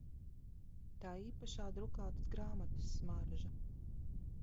Tā īpašā drukātas grāmatas smarža!